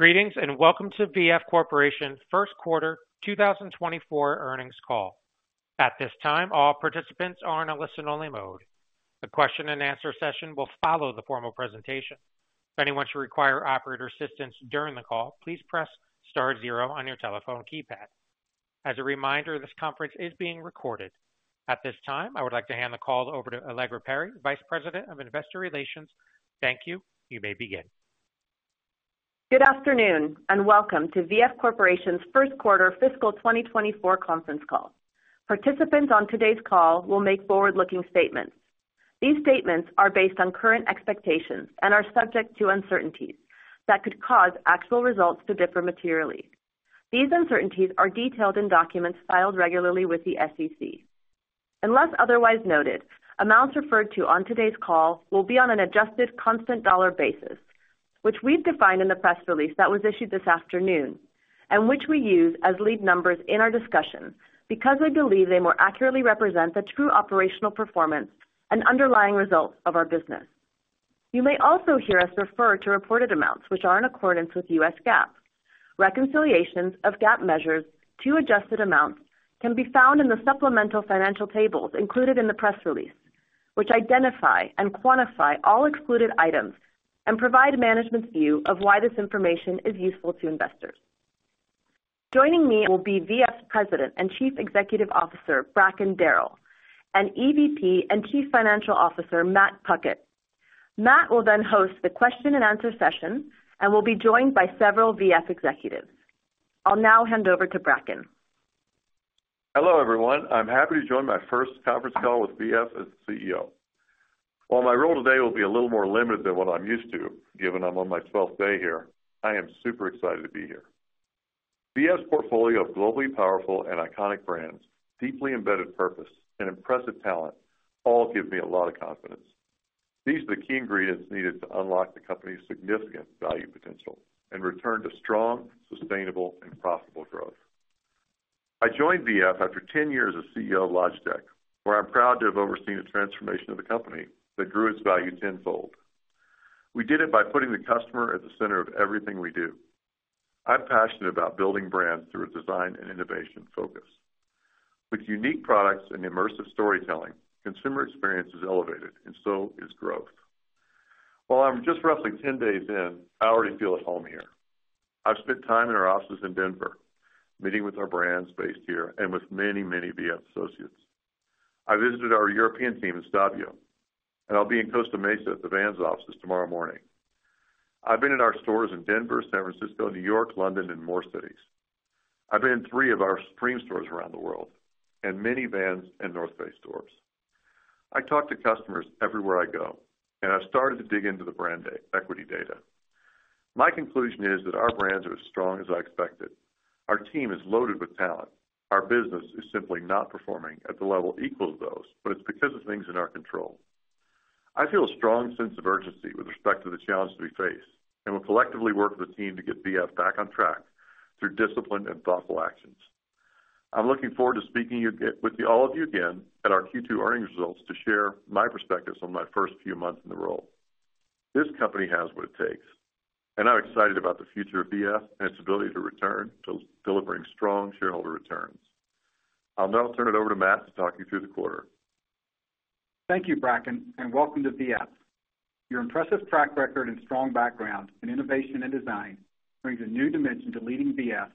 Greetings, welcome to VF Corporation's First Quarter 2024 Earnings Call. At this time, all participants are in a listen-only mode. The question and answer session will follow the formal presentation. If anyone should require operator assistance during the call, please press star zero on your telephone keypad. As a reminder, this conference is being recorded. At this time, I would like to hand the call over to Allegra Perry, Vice President of Investor Relations. Thank you. You may begin. Good afternoon. Welcome to VF Corporation's First Quarter Fiscal 2024 Conference Call. Participants on today's call will make forward-looking statements. These statements are based on current expectations and are subject to uncertainties that could cause actual results to differ materially. These uncertainties are detailed in documents filed regularly with the SEC. Unless otherwise noted, amounts referred to on today's call will be on an adjusted constant dollar basis, which we've defined in the press release that was issued this afternoon and which we use as lead numbers in our discussion because we believe they more accurately represent the true operational performance and underlying results of our business. You may also hear us refer to reported amounts which are in accordance with US GAAP. Reconciliations of GAAP measures to adjusted amounts can be found in the supplemental financial tables included in the press release, which identify and quantify all excluded items and provide management's view of why this information is useful to investors. Joining me will be VF President and Chief Executive Officer, Bracken Darrell, and EVP and Chief Financial Officer, Matt Puckett. Matt will then host the question and answer session and will be joined by several VF executives. I'll now hand over to Bracken. Hello, everyone. I'm happy to join my first conference call with VF as CEO. While my role today will be a little more limited than what I'm used to, given I'm on my twelfth day here, I am super excited to be here. VF's portfolio of globally powerful and iconic brands, deeply embedded purpose, and impressive talent all give me a lot of confidence. These are the key ingredients needed to unlock the company's significant value potential and return to strong, sustainable, and profitable growth. I joined VF after 10 years as CEO of Logitech, where I'm proud to have overseen the transformation of the company that grew its value tenfold. We did it by putting the customer at the center of everything we do. I'm passionate about building brands through a design and innovation focus. With unique products and immersive storytelling, consumer experience is elevated and so is growth. While I'm just roughly 10 days in, I already feel at home here. I've spent time in our offices in Denver, meeting with our brands based here and with many, many VF associates. I visited our European team in Stabio, and I'll be in Costa Mesa at the Vans offices tomorrow morning. I've been in our stores in Denver, San Francisco, New York, London, and more cities. I've been in three of our Supreme stores around the world and many Vans and North Face stores. I talk to customers everywhere I go, and I've started to dig into the brand equity data. My conclusion is that our brands are as strong as I expected. Our team is loaded with talent. Our business is simply not performing at the level equal to those, but it's because of things in our control.I feel a strong sense of urgency with respect to the challenges we face and will collectively work with the team to get VF back on track through disciplined and thoughtful actions. I'm looking forward to speaking with all of you again at our Q2 Earnings Results to share my perspectives on my first few months in the role. This company has what it takes. I'm excited about the future of VF and its ability to return to delivering strong shareholder returns. I'll now turn it over to Matt to talk you through the quarter. Thank you, Bracken, and welcome to VF. Your impressive track record and strong background in innovation and design brings a new dimension to leading VF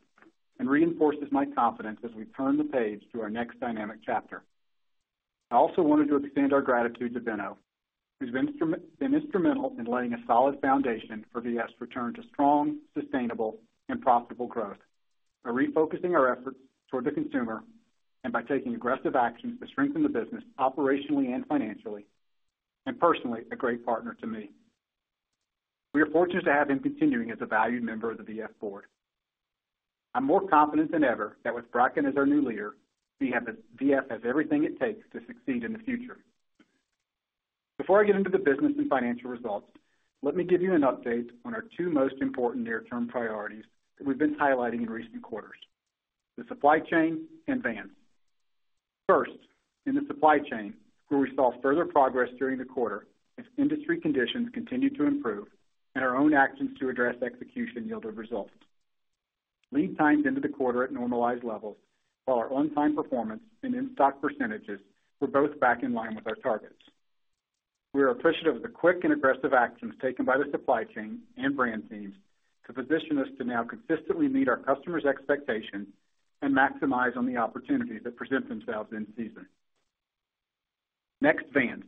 and reinforces my confidence as we turn the page to our next dynamic chapter. I also wanted to extend our gratitude to Benno, who's been instrumental in laying a solid foundation for VF's return to strong, sustainable, and profitable growth, by refocusing our efforts toward the consumer and by taking aggressive actions to strengthen the business operationally and financially, and personally, a great partner to me. We are fortunate to have him continuing as a valued member of the VF Board. I'm more confident than ever that with Bracken as our new leader, VF has everything it takes to succeed in the future. Before I get into the business and financial results, let me give you an update on our two most important near-term priorities that we've been highlighting in recent quarters: the supply chain and Vans. First, in the supply chain, where we saw further progress during the quarter as industry conditions continued to improve and our own actions to address execution yielded results. Lead times into the quarter at normalized levels, while our on-time performance and in-stock percentages were both back in line with our targets. We are appreciative of the quick and aggressive actions taken by the supply chain and brand teams to position us to now consistently meet our customers' expectations and maximize on the opportunities that present themselves in season. Vans,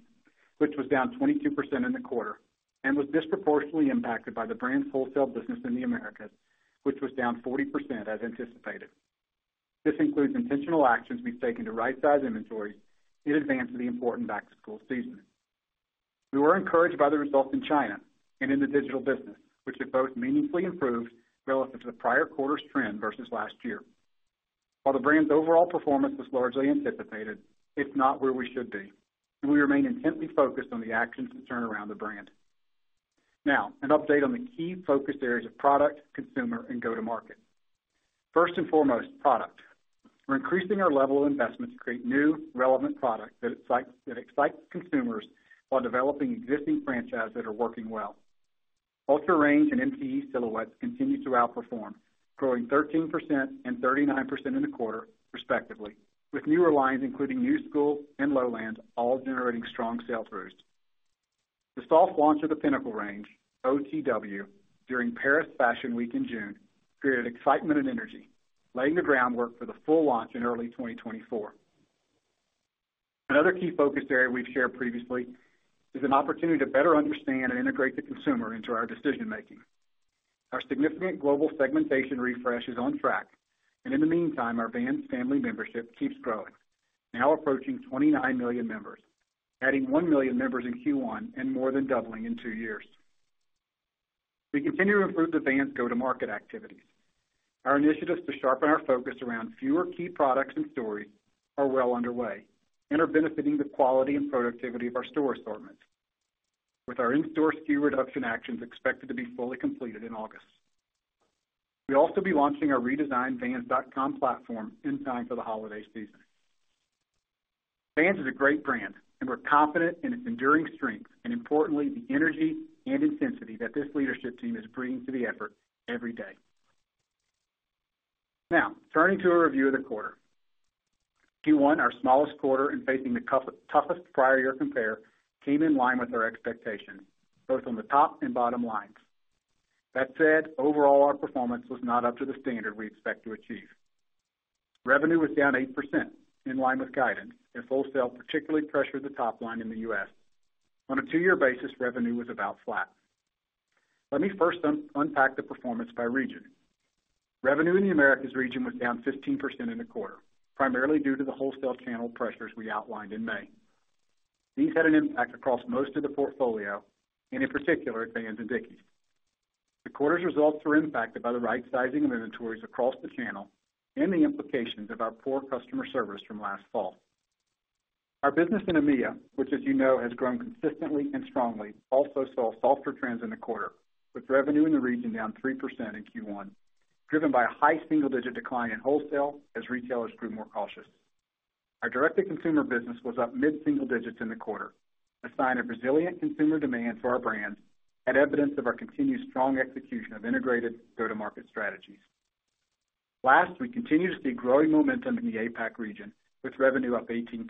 which was down 22% in the quarter and was disproportionately impacted by the brand's wholesale business in the Americas, which was down 40% as anticipated. This includes intentional actions we've taken to right-size inventories in advance of the important back-to-school season. We were encouraged by the results in China and in the digital business, which have both meaningfully improved relative to the prior quarter's trend versus last year. While the brand's overall performance was largely anticipated, it's not where we should be, and we remain intently focused on the actions to turn around the brand. An update on the key focus areas of product, consumer, and go-to-market. First and foremost, product. We're increasing our level of investment to create new, relevant product that excites, that excites consumers while developing existing franchises that are working well. UltraRange and MTE silhouettes continue to outperform, growing 13% and 39% in the quarter, respectively, with newer lines, including Knu Skool and Lowland, all generating strong sales growth. The soft launch of the Pinnacle range, OTW, during Paris Fashion Week in June, created excitement and energy, laying the groundwork for the full launch in early 2024. Another key focus area we've shared previously is an opportunity to better understand and integrate the consumer into our decision making. Our significant global segmentation refresh is on track, and in the meantime, our Vans Family membership keeps growing, now approaching 29 million members, adding 1 million members in Q1 and more than doubling in two years. We continue to improve the Vans go-to-market activities. Our initiatives to sharpen our focus around fewer key products and stories are well underway and are benefiting the quality and productivity of our store assortment, with our in-store SKU reduction actions expected to be fully completed in August. We'll also be launching our redesigned vans.com platform in time for the holiday season. Vans is a great brand, and we're confident in its enduring strength, and importantly, the energy and intensity that this leadership team is bringing to the effort every day. Now, turning to a review of the quarter. Q1, our smallest quarter, and facing the tough, toughest prior year compare, came in line with our expectations, both on the top and bottom lines. That said, overall, our performance was not up to the standard we expect to achieve. Revenue was down 8%, in line with guidance, and wholesale particularly pressured the top line in the U.S. On a two-year basis, revenue was about flat. Let me first unpack the performance by region. Revenue in the Americas region was down 15% in the quarter, primarily due to the wholesale channel pressures we outlined in May. These had an impact across most of the portfolio, and in particular, Vans and Dickies. The quarter's results were impacted by the right-sizing of inventories across the channel and the implications of our poor customer service from last fall. Our business in EMEA, which, as you know, has grown consistently and strongly, also saw softer trends in the quarter, with revenue in the region down 3% in Q1, driven by a high single-digit decline in wholesale as retailers grew more cautious. Our direct-to-consumer business was up mid-single digits in the quarter, a sign of resilient consumer demand for our brands and evidence of our continued strong execution of integrated go-to-market strategies. Last, we continue to see growing momentum in the APAC region, with revenue up 18%.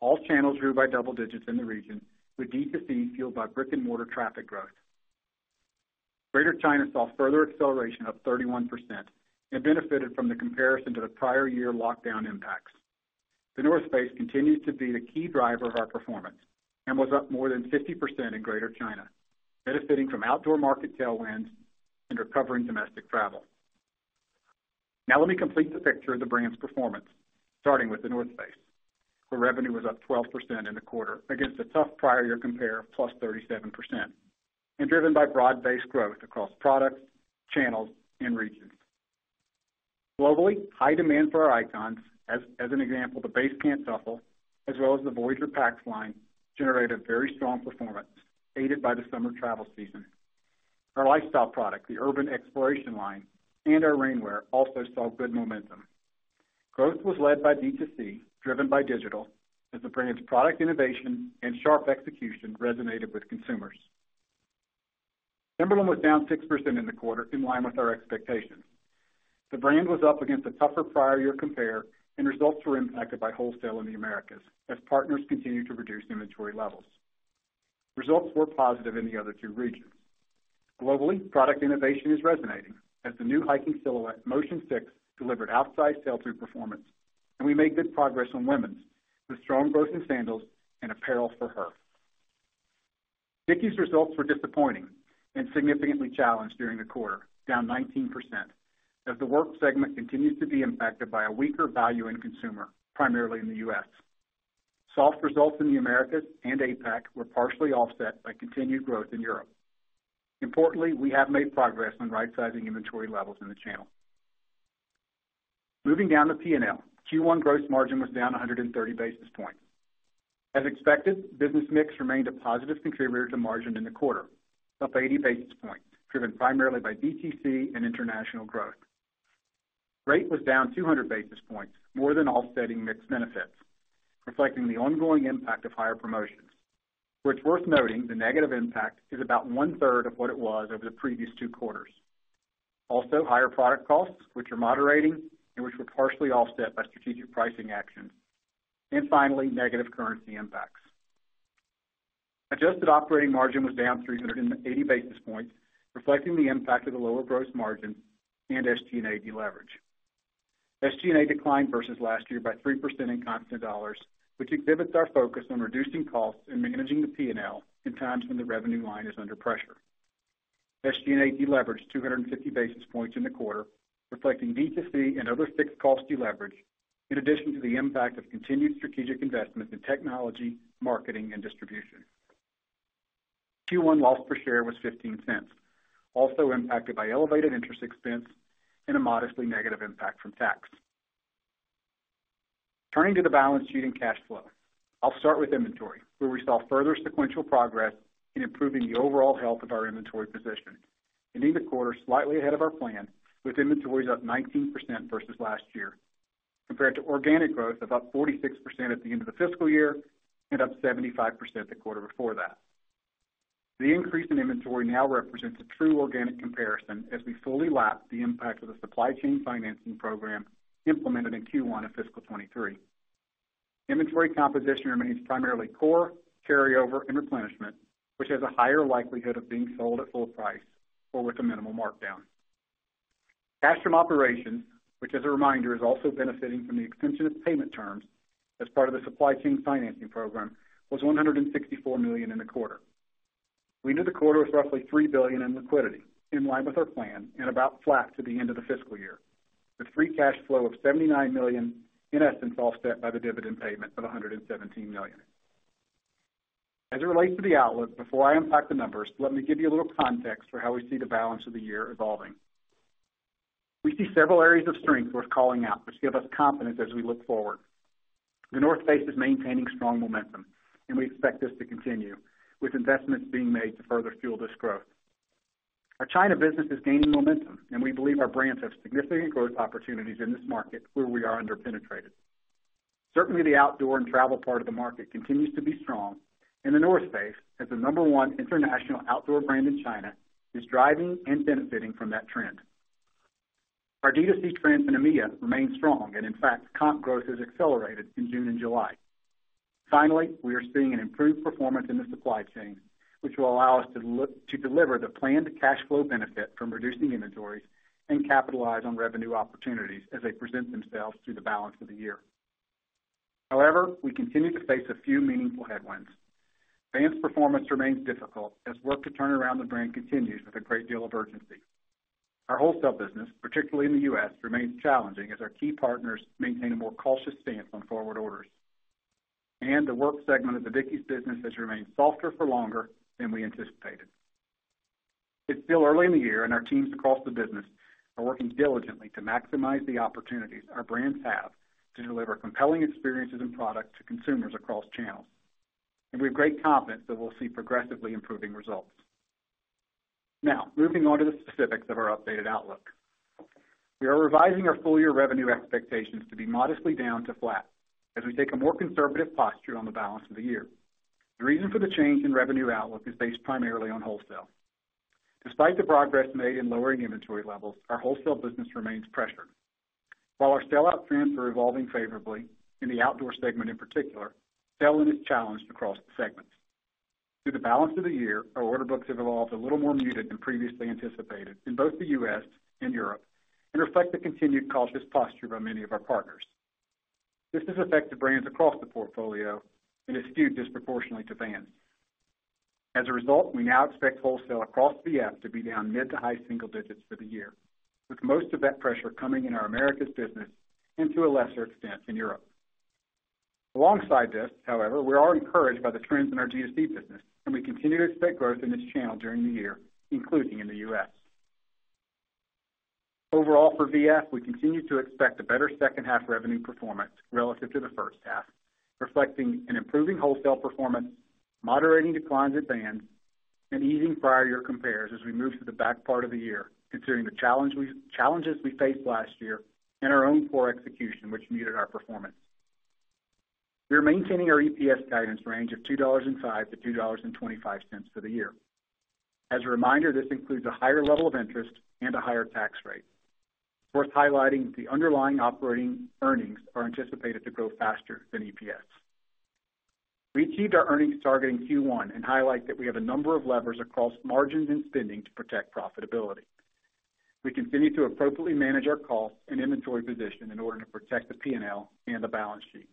All channels grew by double digits in the region, with D2C fueled by brick-and-mortar traffic growth. Greater China saw further acceleration of 31% and benefited from the comparison to the prior year lockdown impacts. The North Face continues to be the key driver of our performance and was up more than 50% in Greater China, benefiting from outdoor market tailwinds and recovering domestic travel. Let me complete the picture of the brand's performance, starting with The North Face, where revenue was up 12% in the quarter against a tough prior year compare of +37%, driven by broad-based growth across products, channels, and regions. Globally, high demand for our icons, as an example, the Base Camp Duffel, as well as the Voyager packs line, generated very strong performance, aided by the summer travel season. Our lifestyle product, the Urban Exploration line, and our rainwear also saw good momentum. Growth was led by D2C, driven by digital, as the brand's product innovation and sharp execution resonated with consumers. Timberland was down 6% in the quarter, in line with our expectations. The brand was up against a tougher prior year compare, results were impacted by wholesale in the Americas as partners continued to reduce inventory levels. Results were positive in the other two regions. Globally, product innovation is resonating as the new hiking silhouette, Motion 6, delivered outsized sell-through performance, and we made good progress on women's with strong growth in sandals and apparel for her. Dickies' results were disappointing and significantly challenged during the quarter, down 19%, as the work segment continues to be impacted by a weaker value in consumer, primarily in the U.S. Soft results in the Americas and APAC were partially offset by continued growth in Europe. Importantly, we have made progress on right-sizing inventory levels in the channel. Moving down to P&L, Q1 gross margin was down 130 basis points. As expected, business mix remained a positive contributor to margin in the quarter, up 80 basis points, driven primarily by DTC and international growth. Rate was down 200 basis points, more than offsetting mixed benefits, reflecting the ongoing impact of higher promotions, which, worth noting, the negative impact is about 1/3 of what it was over the previous two quarters. Also, higher product costs, which are moderating and which were partially offset by strategic pricing actions. Finally, negative currency impacts. Adjusted operating margin was down 380 basis points, reflecting the impact of the lower gross margin and SG&A deleverage. SG&A declined versus last year by 3% in constant dollars, which exhibits our focus on reducing costs and managing the PNL in times when the revenue line is under pressure. SG&A deleveraged 250 basis points in the quarter, reflecting D2C and other fixed cost deleverage, in addition to the impact of continued strategic investments in technology, marketing, and distribution. Q1 loss per share was $0.15, also impacted by elevated interest expense and a modestly negative impact from tax. Turning to the balance sheet and cash flow. I'll start with inventory, where we saw further sequential progress in improving the overall health of our inventory position, and in the quarter, slightly ahead of our plan, with inventories up 19% versus last year, compared to organic growth of up 46% at the end of the fiscal year and up 75% the quarter before that. The increase in inventory now represents a true organic comparison as we fully lap the impact of the supply chain financing program implemented in Q1 of fiscal 2023. Inventory composition remains primarily core, carryover, and replenishment, which has a higher likelihood of being sold at full price or with a minimal markdown. Cash from operations, which, as a reminder, is also benefiting from the extension of payment terms as part of the supply chain financing program, was $164 million in the quarter. We ended the quarter with roughly $3 billion in liquidity, in line with our plan and about flat to the end of the fiscal year, with free cash flow of $79 million, in essence, offset by the dividend payment of $117 million. As it relates to the outlook, before I unpack the numbers, let me give you a little context for how we see the balance of the year evolving. We see several areas of strength worth calling out, which give us confidence as we look forward. The North Face is maintaining strong momentum. We expect this to continue, with investments being made to further fuel this growth. Our China business is gaining momentum, and we believe our brands have significant growth opportunities in this market where we are under-penetrated. Certainly, the outdoor and travel part of the market continues to be strong, and The North Face, as the number one international outdoor brand in China, is driving and benefiting from that trend. Our D2C trends in EMEA remain strong, and in fact, comp growth has accelerated in June and July. Finally, we are seeing an improved performance in the supply chain, which will allow us to deliver the planned cash flow benefit from reducing inventories and capitalize on revenue opportunities as they present themselves through the balance of the year. However, we continue to face a few meaningful headwinds. Vans' performance remains difficult as work to turn around the brand continues with a great deal of urgency. Our wholesale business, particularly in the U.S., remains challenging as our key partners maintain a more cautious stance on forward orders. The work segment of the Dickies business has remained softer for longer than we anticipated. It's still early in the year, our teams across the business are working diligently to maximize the opportunities our brands have to deliver compelling experiences and products to consumers across channels, and we have great confidence that we'll see progressively improving results. Moving on to the specifics of our updated outlook. We are revising our full-year revenue expectations to be modestly down to flat as we take a more conservative posture on the balance of the year. The reason for the change in revenue outlook is based primarily on wholesale. Despite the progress made in lowering inventory levels, our wholesale business remains pressured. While our sellout trends are evolving favorably in the outdoor segment, in particular, selling is challenged across the segments. Through the balance of the year, our order books have evolved a little more muted than previously anticipated in both the U.S. and Europe and reflect the continued cautious posture by many of our partners. This has affected brands across the portfolio and is skewed disproportionately to Vans. As a result, we now expect wholesale across VF to be down mid to high single digits for the year, with most of that pressure coming in our Americas business and to a lesser extent, in Europe. Alongside this, however, we are encouraged by the trends in our D2C business, and we continue to expect growth in this channel during the year, including in the U.S.. Overall, for VF, we continue to expect a better second half revenue performance relative to the first half, reflecting an improving wholesale performance, moderating declines at Vans, and easing prior year compares as we move to the back part of the year, considering the challenge we-- challenges we faced last year and our own poor execution, which muted our performance. We are maintaining our EPS guidance range of $2.05-$2.25 for the year. As a reminder, this includes a higher level of interest and a higher tax rate. Worth highlighting, the underlying operating earnings are anticipated to grow faster than EPS. We achieved our earnings target in Q1 and highlight that we have a number of levers across margins and spending to protect profitability. We continue to appropriately manage our cost and inventory position in order to protect the P&L and the balance sheet.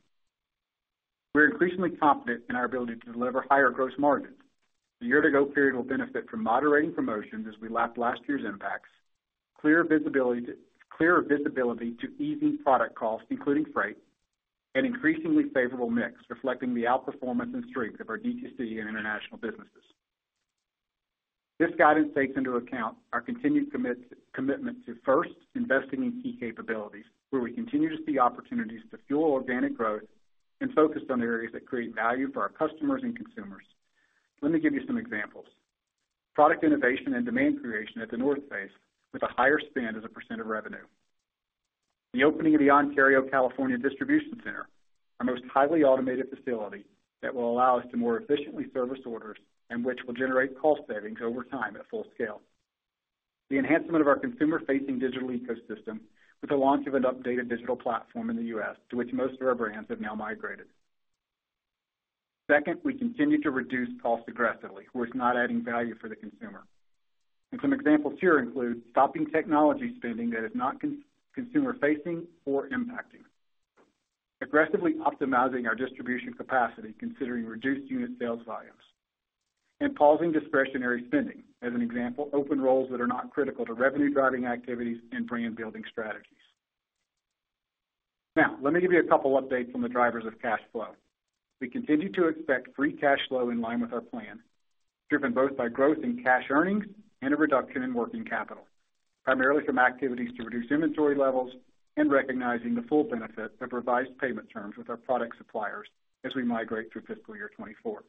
We're increasingly confident in our ability to deliver higher gross margins. The year ago period will benefit from moderating promotions as we lap last year's impacts, clearer visibility to easy product costs, including freight, and increasingly favorable mix, reflecting the outperformance and strength of our D2C and international businesses. This guidance takes into account our continued commitment to, first, investing in key capabilities, where we continue to see opportunities to fuel organic growth and focused on areas that create value for our customers and consumers. Let me give you some examples. Product innovation and demand creation at The North Face, with a higher spend as a % of revenue. The opening of the Ontario, California, distribution center, our most highly automated facility that will allow us to more efficiently service orders and which will generate cost savings over time at full scale. The enhancement of our consumer-facing digital ecosystem with the launch of an updated digital platform in the U.S., to which most of our brands have now migrated. Second, we continue to reduce costs aggressively, where it's not adding value for the consumer. Some examples here include stopping technology spending that is not consumer-facing or impacting, aggressively optimizing our distribution capacity, considering reduced unit sales volumes, and pausing discretionary spending, as an example, open roles that are not critical to revenue-driving activities and brand-building strategies. Let me give you a couple updates on the drivers of cash flow. We continue to expect free cash flow in line with our plan, driven both by growth in cash earnings and a reduction in working capital, primarily from activities to reduce inventory levels and recognizing the full benefit of revised payment terms with our product suppliers as we migrate through fiscal year 2024.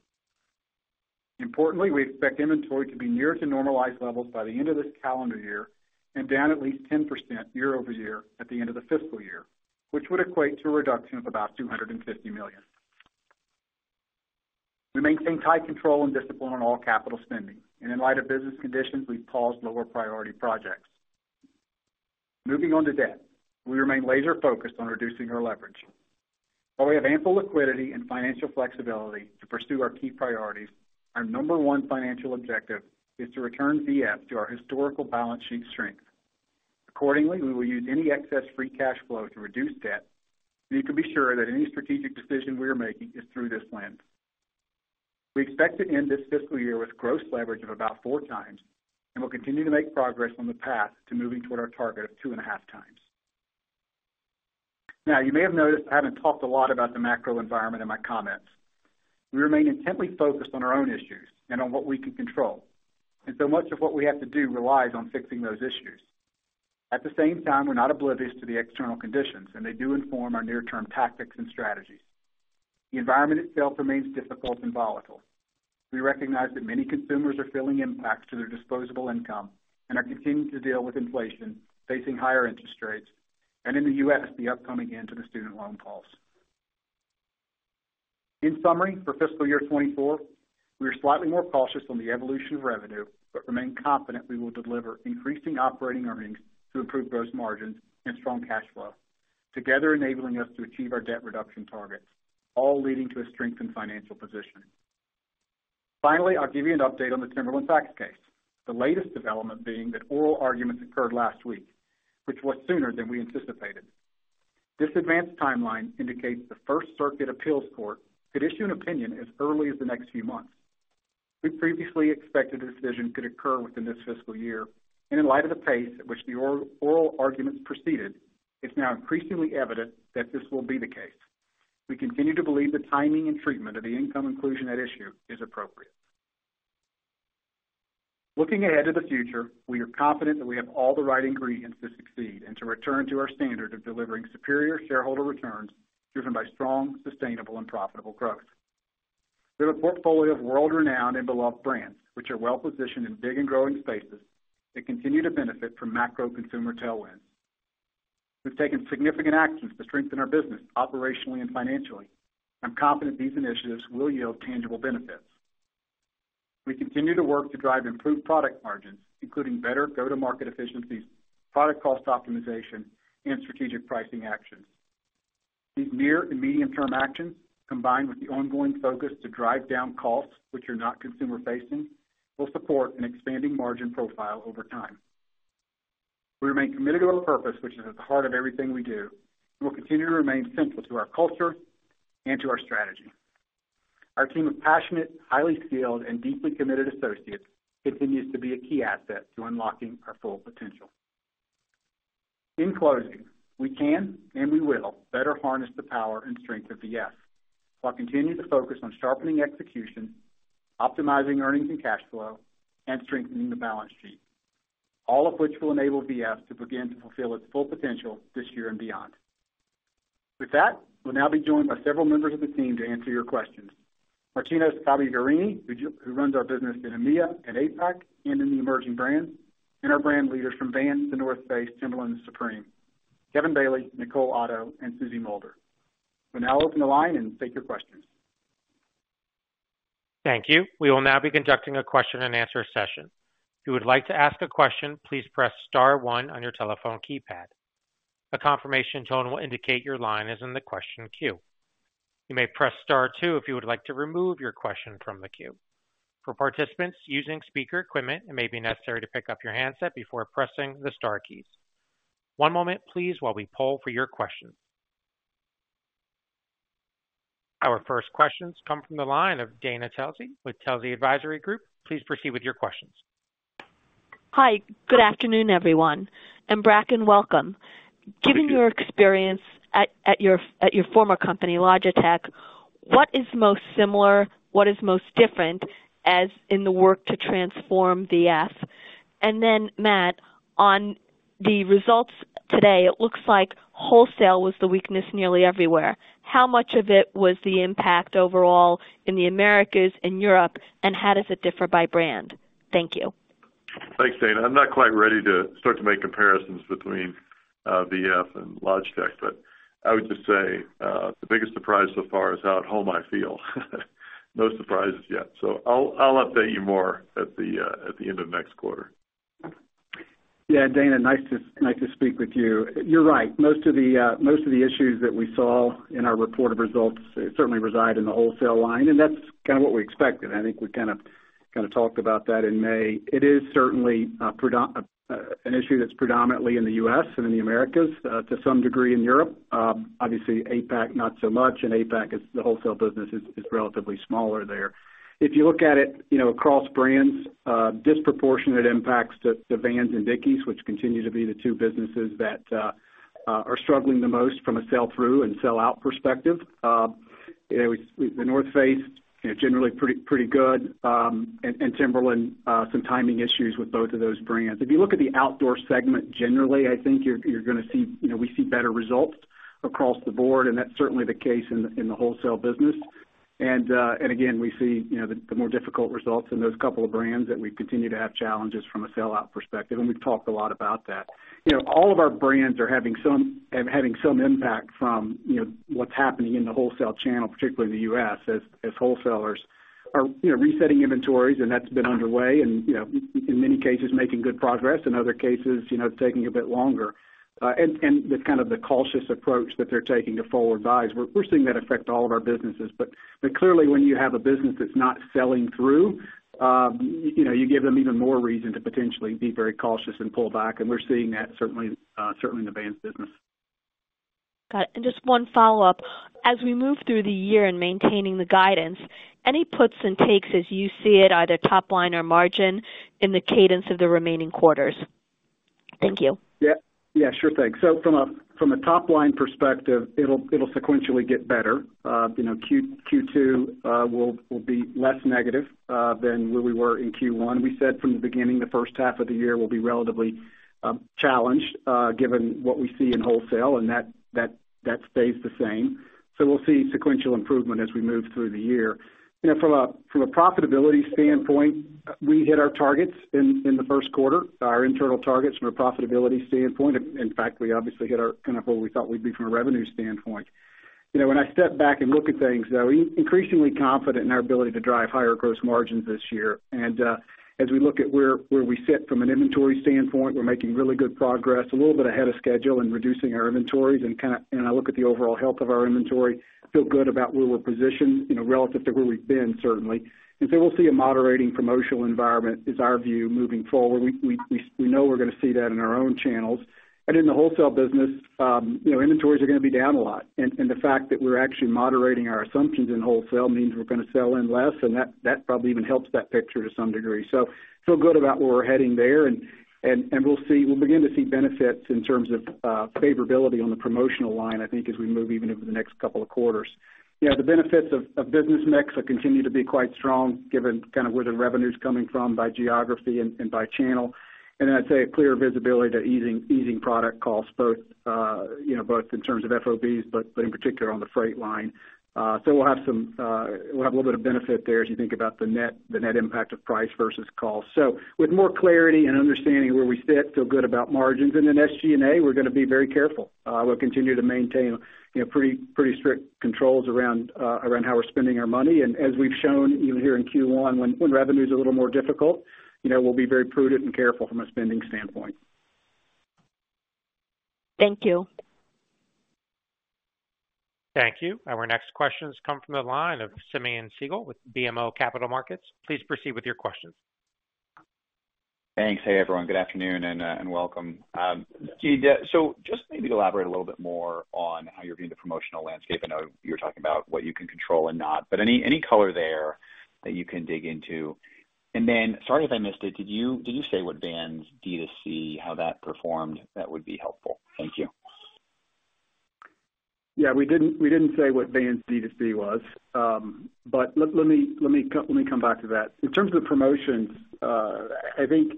Importantly, we expect inventory to be near to normalized levels by the end of this calendar year and down at least 10% year-over-year at the end of the fiscal year, which would equate to a reduction of about $250 million. We maintain tight control and discipline on all capital spending, and in light of business conditions, we've paused lower priority projects. Moving on to debt. We remain laser focused on reducing our leverage. While we have ample liquidity and financial flexibility to pursue our key priorities, our number one financial objective is to return VF to our historical balance sheet strength. Accordingly, we will use any excess free cash flow to reduce debt, and you can be sure that any strategic decision we are making is through this lens. We expect to end this fiscal year with gross leverage of about 4x, and we'll continue to make progress on the path to moving toward our target of 2.5x. Now, you may have noticed I haven't talked a lot about the macro environment in my comments. We remain intently focused on our own issues and on what we can control, and so much of what we have to do relies on fixing those issues.At the same time, we're not oblivious to the external conditions. They do inform our near-term tactics and strategies. The environment itself remains difficult and volatile. We recognize that many consumers are feeling impacts to their disposable income and are continuing to deal with inflation, facing higher interest rates, and in the U.S., the upcoming end to the student loan pause. In summary, for fiscal year 2024, we are slightly more cautious on the evolution of revenue. We remain confident we will deliver increasing operating earnings to improve gross margins and strong cash flow, together enabling us to achieve our debt reduction targets, all leading to a strengthened financial position. Finally, I'll give you an update on the Timberland tax case. The latest development being that oral arguments occurred last week, which was sooner than we anticipated. This advanced timeline indicates the First Circuit Appeals Court could issue an opinion as early as the next few months. We previously expected a decision could occur within this fiscal year. In light of the pace at which the oral arguments proceeded, it's now increasingly evident that this will be the case. We continue to believe the timing and treatment of the income inclusion at issue is appropriate. Looking ahead to the future, we are confident that we have all the right ingredients to succeed and to return to our standard of delivering superior shareholder returns, driven by strong, sustainable, and profitable growth. We have a portfolio of world-renowned and beloved brands, which are well positioned in big and growing spaces that continue to benefit from macro consumer tailwinds. We've taken significant actions to strengthen our business operationally and financially. I'm confident these initiatives will yield tangible benefits. We continue to work to drive improved product margins, including better go-to-market efficiencies, product cost optimization, and strategic pricing actions. These near and medium-term actions, combined with the ongoing focus to drive down costs which are not consumer facing, will support an expanding margin profile over time. We remain committed to our purpose, which is at the heart of everything we do, and will continue to remain central to our culture and to our strategy. Our team of passionate, highly skilled and deeply committed associates continues to be a key asset to unlocking our full potential. In closing, we can and we will better harness the power and strength of VF, while continuing to focus on sharpening execution, optimizing earnings and cash flow, and strengthening the balance sheet, all of which will enable VF to begin to fulfill its full potential this year and beyond. With that, we'll now be joined by several members of the team to answer your questions. Martino Scabbia Guerrini, who runs our business in EMEA and APAC and in the emerging brands, and our brand leaders from Vans to The North Face, Timberland, and Supreme, Kevin Bailey, Nicole Otto, and Susie Mulder. We'll now open the line and take your questions. Thank you. We will now be conducting a question and answer session. If you would like to ask a question, please press star one on your telephone keypad. A confirmation tone will indicate your line is in the question queue. You may press star two if you would like to remove your question from the queue. For participants using speaker equipment, it may be necessary to pick up your handset before pressing the star keys. One moment, please, while we poll for your question. Our first questions come from the line of Dana Telsey with Telsey Advisory Group. Please proceed with your questions. Hi, good afternoon, everyone, and Bracken, welcome. Given your experience at, at your, at your former company, Logitech, what is most similar, what is most different, as in the work to transform VF? Then, Matt, on the results today, it looks like wholesale was the weakness nearly everywhere. How much of it was the impact overall in the Americas and Europe, and how does it differ by brand? Thank you. Thanks, Dana. I'm not quite ready to start to make comparisons between VF and Logitech. I would just say the biggest surprise so far is how at home I feel. No surprises yet. I'll, I'll update you more at the end of next quarter. Yeah, Dana, nice to, nice to speak with you. You're right. Most of the most of the issues that we saw in our reported results certainly reside in the wholesale line, and that's kind of what we expected.I think we kind of, kind of talked about that in May. It is certainly an issue that's predominantly in the U.S. and in the Americas, to some degree in Europe. Obviously, APAC, not so much, and APAC is the wholesale business is, is relatively smaller there. If you look at it, you know, across brands, disproportionate impacts to, to Vans and Dickies, which continue to be the two businesses that are struggling the most from a sell-through and sell-out perspective. You know, The North Face, you know, generally pretty, pretty good. Timberland, some timing issues with both of those brands. If you look at the outdoor segment, generally, I think you're, you're gonna see, you know, we see better results across the board, and that's certainly the case in, in the wholesale business. Again, we see, you know, the, the more difficult results in those couple of brands that we continue to have challenges from a sell-out perspective, and we've talked a lot about that. You know, all of our brands are having some impact from, you know, what's happening in the wholesale channel, particularly in the U.S., as, as wholesalers are, you know, resetting inventories, and that's been underway. In many cases, making good progress, in other cases, you know, taking a bit longer. The kind of the cautious approach that they're taking to forward buys, we're, we're seeing that affect all of our businesses. Clearly, when you have a business that's not selling through, you know, you give them even more reason to potentially be very cautious and pull back, and we're seeing that certainly, certainly in the Vans business. Got it. Just one follow-up: as we move through the year in maintaining the guidance, any puts and takes as you see it, either top line or margin, in the cadence of the remaining quarters? Thank you. Yeah. Yeah, sure thing. From a, from a top-line perspective, it'll, it'll sequentially get better. You know, Q2 will be less negative than where we were in Q1. We said from the beginning, the first half of the year will be relatively challenged, given what we see in wholesale, and that, that, that stays the same. We'll see sequential improvement as we move through the year. You know, from a, from a profitability standpoint, we hit our targets in the first quarter, our internal targets from a profitability standpoint. In fact, we obviously hit our kind of where we thought we'd be from a revenue standpoint. You know, when I step back and look at things, though, we're increasingly confident in our ability to drive higher gross margins this year. As we look at where, where we sit from an inventory standpoint, we're making really good progress, a little bit ahead of schedule in reducing our inventories. I look at the overall health of our inventory, feel good about where we're positioned, you know, relative to where we've been, certainly. So we'll see a moderating promotional environment is our view moving forward. We, we, we know we're gonna see that in our own channels. In the wholesale business, you know, inventories are gonna be down a lot. The fact that we're actually moderating our assumptions in wholesale means we're gonna sell in less, and that, that probably even helps that picture to some degree. Feel good about where we're heading there, we'll see-- we'll begin to see benefits in terms of favorability on the promotional line, I think, as we move even into the next couple of quarters. You know, the benefits of business mix will continue to be quite strong, given kind of where the revenue is coming from by geography and by channel. I'd say a clear visibility to easing product costs, both, you know, both in terms of FOB, but in particular on the freight line. We'll have some, we'll have a little bit of benefit there as you think about the net impact of price versus cost. With more clarity and understanding where we sit, feel good about margins. In SG&A, we're gonna be very careful. We'll continue to maintain, you know, pretty, pretty strict controls around, around how we're spending our money. As we've shown even here in Q1, when, when revenue is a little more difficult, you know, we'll be very prudent and careful from a spending standpoint. Thank you. Thank you. Our next questions come from the line of Simeon Siegel with BMO Capital Markets. Please proceed with your questions. Thanks. Hey, everyone. Good afternoon and welcome. Just maybe elaborate a little bit more on how you're viewing the promotional landscape. I know you were talking about what you can control and not, but any, any color there that you can dig into? Then, sorry if I missed it, did you, did you say what Vans D2C, how that performed? That would be helpful. Thank you. Yeah, we didn't, we didn't say what Vans D2C was. But let me, let me come back to that. In terms of promotions, I think,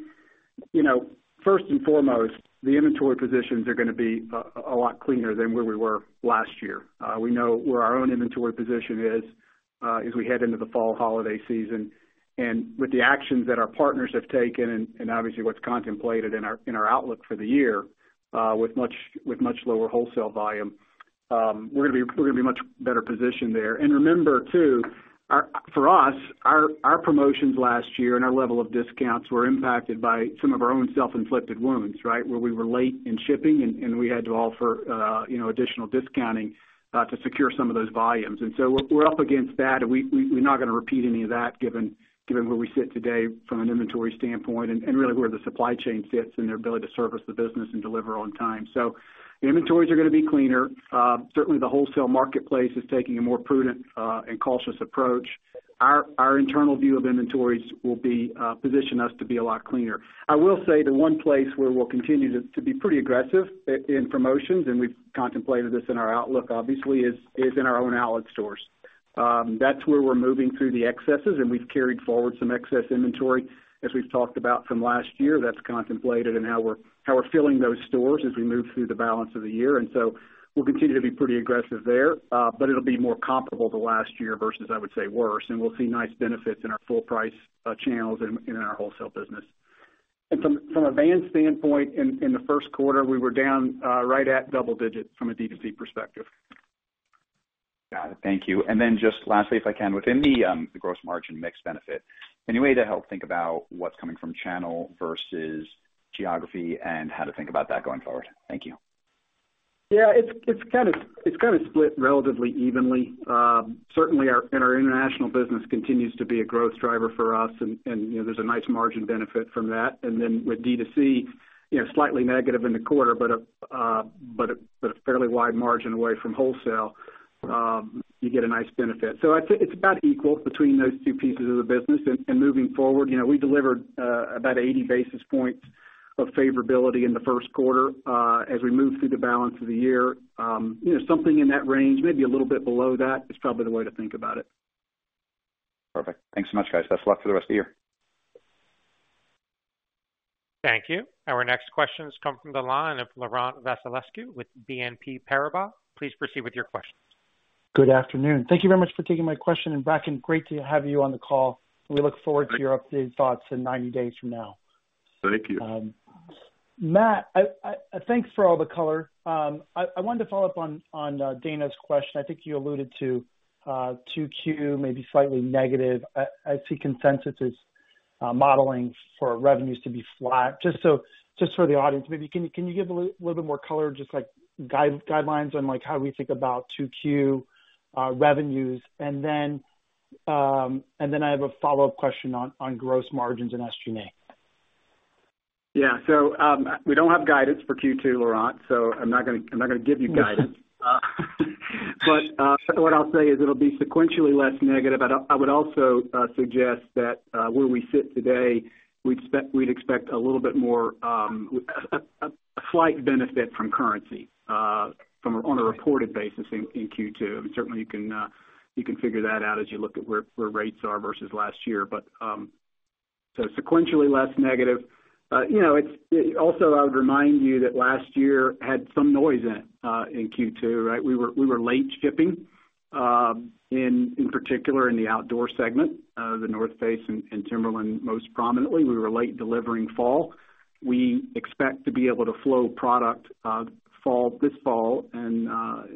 you know, first and foremost, the inventory positions are gonna be a lot cleaner than where we were last year. We know where our own inventory position is, as we head into the fall holiday season. With the actions that our partners have taken and, and obviously what's contemplated in our, in our outlook for the year, with much, with much lower wholesale volume, we're gonna be, we're gonna be much better positioned there. Remember, too, for us, our, our promotions last year and our level of discounts were impacted by some of our own self-inflicted wounds, right? Where we were late in shipping and, and we had to offer, you know, additional discounting to secure some of those volumes. We're, we're up against that, and we, we, we're not gonna repeat any of that, given, given where we sit today from an inventory standpoint and, and really where the supply chain sits and their ability to service the business and deliver on time. The inventories are gonna be cleaner. Certainly, the wholesale marketplace is taking a more prudent and cautious approach. Our, our internal view of inventories will be, position us to be a lot cleaner. I will say the one place where we'll continue to, to be pretty aggressive in promotions, and we've contemplated this in our outlook, obviously, is, is in our own outlet stores. That's where we're moving through the excesses, and we've carried forward some excess inventory as we've talked about from last year. That's contemplated in how we're, how we're filling those stores as we move through the balance of the year, and so we'll continue to be pretty aggressive there. But it'll be more comparable to last year versus, I would say, worse, and we'll see nice benefits in our full price channels and in our wholesale business. From, from a Vans standpoint, in, in the first quarter, we were down right at double digits from a D2C perspective. Got it. Thank you. Then just lastly, if I can, within the, the gross margin mix benefit, any way to help think about what's coming from channel versus geography and how to think about that going forward? Thank you. Yeah, it's, it's kind of, it's kind of split relatively evenly. Certainly, and our international business continues to be a growth driver for us, and, and, you know, there's a nice margin benefit from that. Then with D2C, you know, slightly negative in the quarter, but a, but a fairly wide margin away from wholesale, you get a nice benefit. I'd say it's about equal between those two pieces of the business. Moving forward, you know, we delivered about 80 basis points of favorability in the first quarter. As we move through the balance of the year, you know, something in that range, maybe a little bit below that, is probably the way to think about it. Perfect. Thanks so much, guys. Best of luck for the rest of the year. Thank you. Our next question comes from the line of Laurent Vasilescu with BNP Paribas. Please proceed with your questions. Good afternoon. Thank you very much for taking my question. Bracken, great to have you on the call. We look forward to your updated thoughts in 90 days from now. Thank you. Matt, thanks for all the color. I wanted to follow up on Dana's question. I think you alluded to 2Q, maybe slightly negative. I see consensus modeling for revenues to be flat. Just for the audience, maybe, can you, can you give a little bit more color, just like, guidelines on, like, how we think about 2Q revenues? Then I have a follow-up question on gross margins and SG&A. Yeah. We don't have guidance for Q2, Laurent, so I'm not gonna, I'm not gonna give you guidance. What I'll say is it'll be sequentially less negative. I would also suggest that where we sit today, we'd expect a little bit more, a slight benefit from currency on a reported basis in Q2. You can figure that out as you look at where, where rates are versus last year. Sequentially less negative. I would remind you that last year had some noise in Q2, right? We were, we were late shipping in particular, in the outdoor segment, The North Face and Timberland, most prominently. We were late delivering fall. We expect to be able to flow product this fall and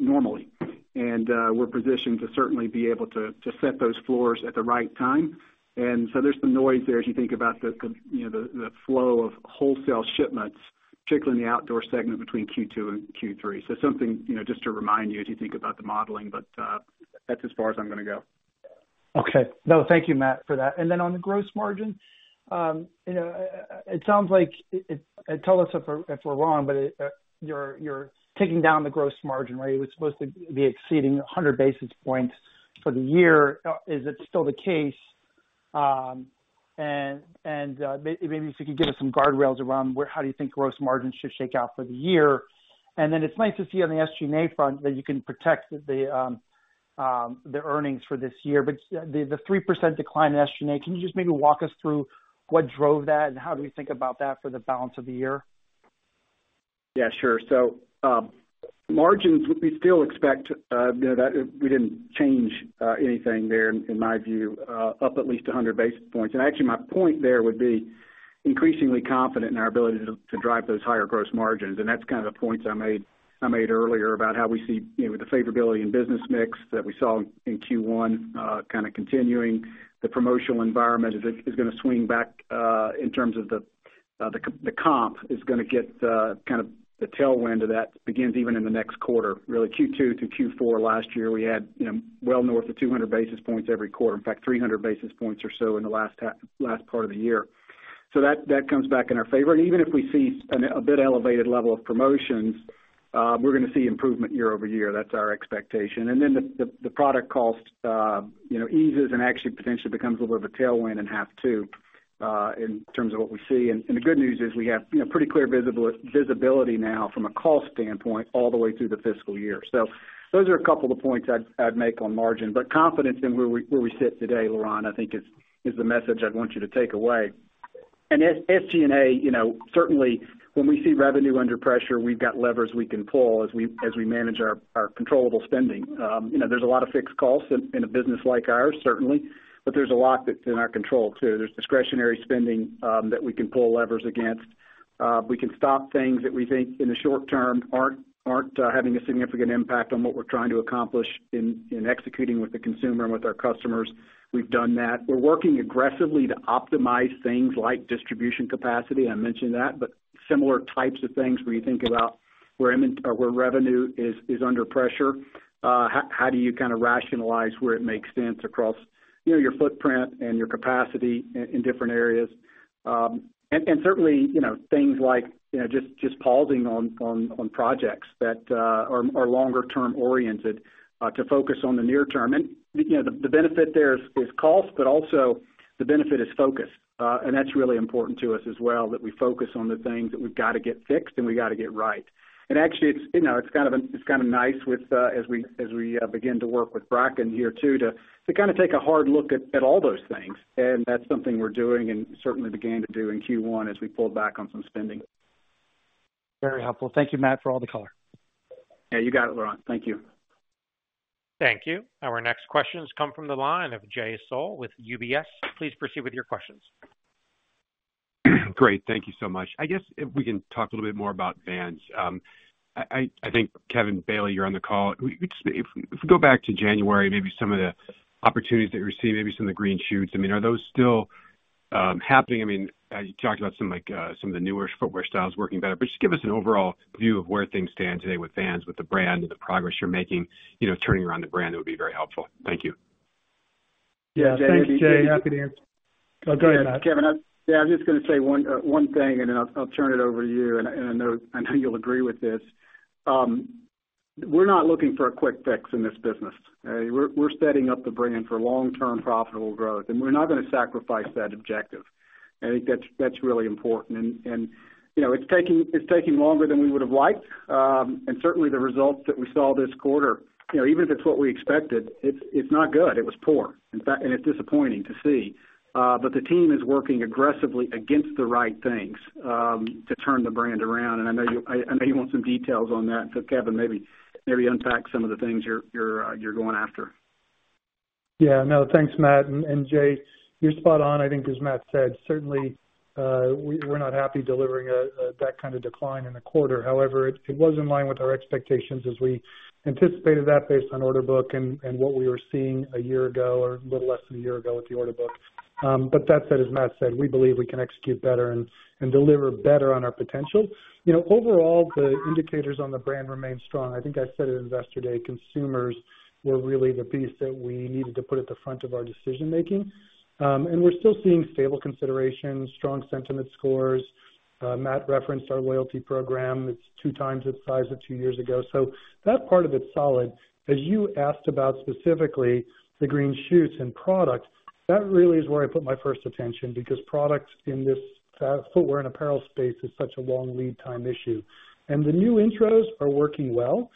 normally. We're positioned to certainly be able to set those floors at the right time. There's some noise there as you think about you know, the flow of wholesale shipments, particularly in the outdoor segment between Q2 and Q3. Something, you know, just to remind you as you think about the modeling, but that's as far as I'm gonna go. Okay. No, thank you, Matt, for that. On the gross margin, you know, it sounds like Tell us if we're, if we're wrong, but you're, you're taking down the gross margin, right? It was supposed to be exceeding 100 basis points for the year. Is it still the case? Maybe if you could give us some guardrails around where how do you think gross margins should shake out for the year? Then it's nice to see on the SG&A front, that you can protect the earnings for this year. The 3% decline in SG&A, can you just maybe walk us through what drove that and how do we think about that for the balance of the year? Yeah, sure. Margins, we still expect, you know, we didn't change anything there, in my view, up at least 100 basis points. Actually, my point there would be increasingly confident in our ability to drive those higher gross margins. That's kind of the points I made, I made earlier about how we see, you know, the favorability in business mix that we saw in Q1, kind of continuing. The promotional environment is, is gonna swing back, in terms of the, the comp is gonna get, kind of the tailwind of that, begins even in the next quarter. Really, Q2-Q4 last year, we had, you know, well north of 200 basis points every quarter. In fact, 300 basis points or so in the last part of the year. That, that comes back in our favor. Even if we see an, a bit elevated level of promotions, we're gonna see improvement year over year. That's our expectation. The, the, the product cost, you know, eases and actually potentially becomes a little bit of a tailwind in half too, in terms of what we see. The good news is, we have, you know, pretty clear visible- visibility now from a cost standpoint all the way through the fiscal year. Those are a couple of the points I'd, I'd make on margin, but confidence in where we, where we sit today, Laurent, I think is, is the message I'd want you to take away. As SG&A, you know, certainly when we see revenue under pressure, we've got levers we can pull as we, as we manage our, our controllable spending. You know, there's a lot of fixed costs in, in a business like ours, certainly, but there's a lot that's in our control, too. There's discretionary spending that we can pull levers against. We can stop things that we think in the short term aren't, aren't having a significant impact on what we're trying to accomplish in, in executing with the consumer and with our customers. We've done that. We're working aggressively to optimize things like distribution capacity. I mentioned that, but similar types of things where you think about where or where revenue is, is under pressure, how, how do you kind of rationalize where it makes sense across, you know, your footprint and your capacity in, in different areas? Certainly, you know, things like, you know, just, just pausing on, on, on projects that are, are longer term oriented to focus on the near term. You know, the, the benefit there is, is cost, but also the benefit is focus. That's really important to us as well, that we focus on the things that we've got to get fixed and we got to get right. Actually, it's, you know, it's kind of, it's kind of nice with as we, as we begin to work with Bracken here, too, to, to kind of take a hard look at, at all those things. That's something we're doing and certainly began to do in Q1 as we pulled back on some spending. Very helpful. Thank you, Matt, for all the color. Yeah, you got it, Laurent. Thank you. Thank you. Our next question has come from the line of Jay Sole with UBS. Please proceed with your questions. Great. Thank you so much. I guess if we can talk a little bit more about Vans. I think, Kevin Bailey, you're on the call. Just if we go back to January, maybe some of the opportunities that you see, maybe some of the green shoots, I mean, are those still happening? I mean, you talked about some, like, some of the newer footwear styles working better, but just give us an overall view of where things stand today with Vans, with the brand and the progress you're making, you know, turning around the brand, that would be very helpful. Thank you. Yeah, thanks, Jay. Happy to answer. Oh, go ahead, Matt. Kevin, I, yeah, I'm just gonna say one, one thing, and then I'll, I'll turn it over to you, and I, and I know, I know you'll agree with this. We're not looking for a quick fix in this business, okay? We're, we're setting up the brand for long-term profitable growth, and we're not gonna sacrifice that objective. I think that's, that's really important. You know, it's taking, it's taking longer than we would have liked. Certainly, the results that we saw this quarter, you know, even if it's what we expected, it's, it's not good. It was poor. In fact, and it's disappointing to see. The team is working aggressively against the right things, to turn the brand around.I, I know you want some details on that, so Kevin, maybe, maybe unpack some of the things you're, you're, you're going after. Yeah. No, thanks, Matt and Jay. You're spot on. I think, as Matt said, certainly, we're not happy delivering a that kind of decline in a quarter. It was in line with our expectations as we anticipated that based on order book and what we were seeing a year ago or a little less than a year ago with the order book. That said, as Matt said, we believe we can execute better and deliver better on our potential. You know, overall, the indicators on the brand remain strong. I think I said at Investor Day, consumers were really the piece that we needed to put at the front of our decision-making. We're still seeing stable consideration, strong sentiment scores. Matt referenced our loyalty program. It's two times its size of two years ago. That part of it's solid. As you asked about specifically the green shoots and products, that really is where I put my first attention, because products in this footwear and apparel space is such a long lead time issue. The new intros are working well.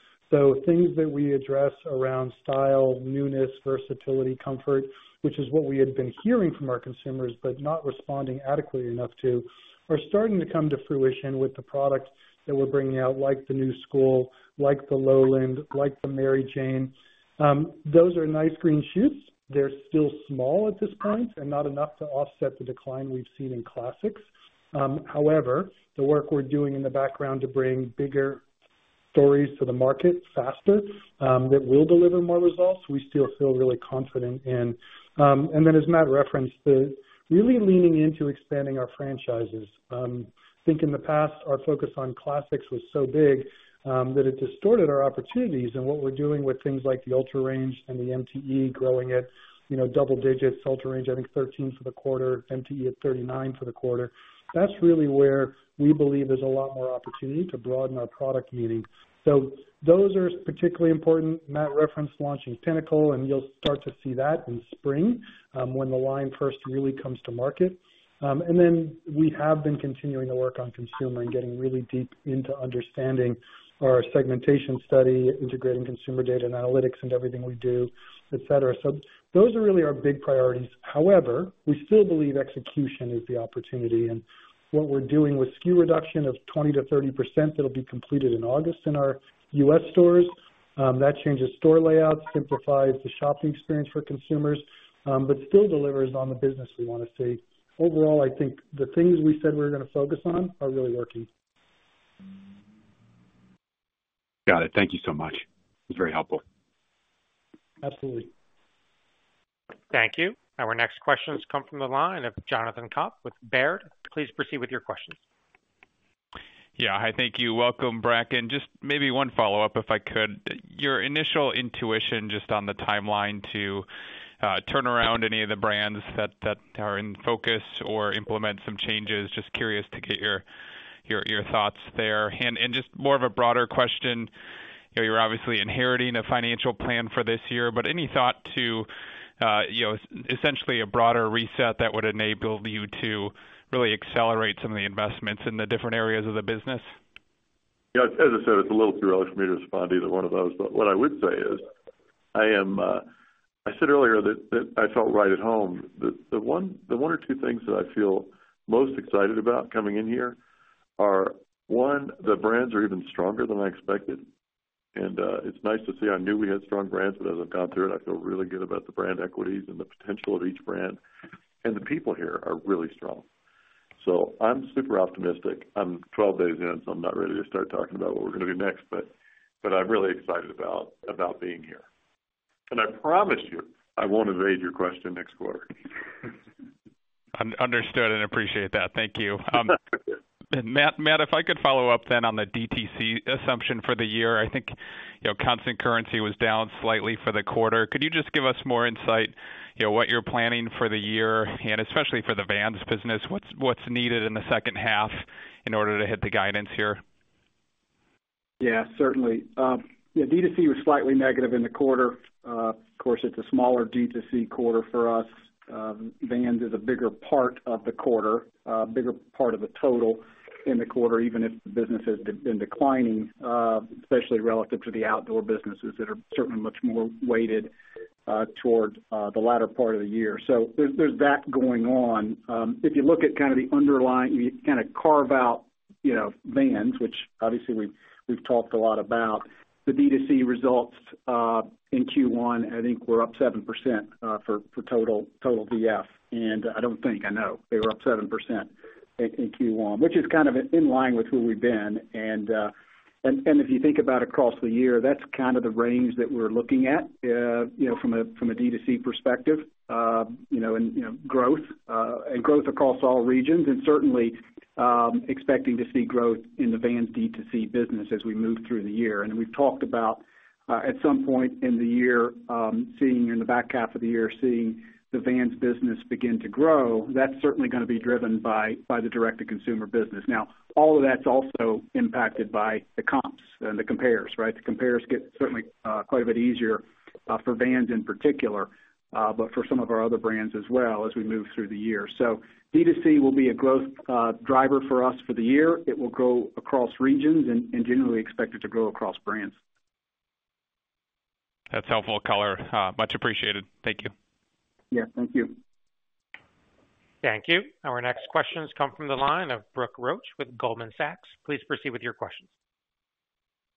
Things that we address around style, newness, versatility, comfort, which is what we had been hearing from our consumers, but not responding adequately enough to, are starting to come to fruition with the product that we're bringing out, like the Knu Skool, like the Lowland, like the Mary Jane. Those are nice green shoots. They're still small at this point and not enough to offset the decline we've seen in classics. However, the work we're doing in the background to bring bigger stories to the market faster, that will deliver more results, we still feel really confident in. As Matt referenced, the really leaning into expanding our franchises. I think in the past, our focus on classics was so big, that it distorted our opportunities and what we're doing with things like the UltraRange and the MTE growing at, you know, double digits. UltraRange, I think 13 for the quarter, MTE at 39 for the quarter. That's really where we believe there's a lot more opportunity to broaden our product meeting. Those are particularly important. Matt referenced launching Pinnacle, and you'll start to see that in spring, when the line first really comes to market. We have been continuing to work on consumer and getting really deep into understanding our segmentation study, integrating consumer data and analytics and everything we do, et cetera. Those are really our big priorities. However, we still believe execution is the opportunity and what we're doing with SKU reduction of 20%-30%, that'll be completed in August in our US stores. That changes store layouts, simplifies the shopping experience for consumers, but still delivers on the business we wanna see. Overall, I think the things we said we're gonna focus on are really working. Got it. Thank you so much. It's very helpful. Absolutely. Thank you. Our next questions come from the line of Jonathan Komp with Baird. Please proceed with your questions. Yeah. Hi, thank you. Welcome, Bracken. Just maybe one follow-up, if I could. Your initial intuition just on the timeline to turn around any of the brands that, that are in focus or implement some changes, just curious to get your, your, your thoughts there. Just more of a broader question, you know, you're obviously inheriting a financial plan for this year, but any thought to, you know, essentially a broader reset that would enable you to really accelerate some of the investments in the different areas of the business? Yeah, as I said, it's a little too early for me to respond to either one of those, but what I would say is, I am. I said earlier that, that I felt right at home. The, the one, the one or two things that I feel most excited about coming in here are, one, the brands are even stronger than I expected, and it's nice to see. I knew we had strong brands, but as I've gone through it, I feel really good about the brand equities and the potential of each brand, and the people here are really strong. I'm super optimistic. I'm 12 days in. I'm not ready to start talking about what we're gonna do next, but I'm really excited about being here. I promise you, I won't evade your question next quarter. Understood, and appreciate that. Thank you. Matt, Matt, if I could follow up then on the DTC assumption for the year. I think, you know, constant currency was down slightly for the quarter. Could you just give us more insight, you know, what you're planning for the year, and especially for the Vans business, what's, what's needed in the second half in order to hit the guidance here? Yeah, certainly. Yeah, DTC was slightly negative in the quarter. Of course, it's a smaller DTC quarter for us. Vans is a bigger part of the quarter, a bigger part of the total in the quarter, even if the business has been declining, especially relative to the outdoor businesses that are certainly much more weighted towards the latter part of the year. There's, there's that going on. If you look at kind of the underlying, you kind of carve out, you know, Vans, which obviously we've, we've talked a lot about, the DTC results in Q1, I think were up 7% for total, total VF. I don't think I know. They were up 7% in Q1, which is kind of in line with where we've been. If you think about across the year, that's kind of the range that we're looking at, you know, from a, from a DTC perspective, you know, and, you know, growth, and growth across all regions, and certainly, expecting to see growth in the Vans DTC business as we move through the year. We've talked about at some point in the year, seeing in the back half of the year, seeing the Vans business begin to grow, that's certainly going to be driven by, by the direct-to-consumer business. Now, all of that's also impacted by the comps and the comparers, right? The comparers get certainly, quite a bit easier, for Vans in particular, but for some of our other brands as well, as we move through the year.D2C will be a growth driver for us for the year. It will grow across regions and generally expected to grow across brands. That's helpful color. Much appreciated. Thank you. Yeah, thank you. Thank you. Our next questions come from the line of Brooke Roach with Goldman Sachs. Please proceed with your questions.